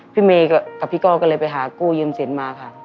พี่เมย์กับพี่ก้อก็เลยไปหากู้ยืมสินมาค่ะ